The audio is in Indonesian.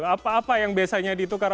apa apa yang biasanya ditukar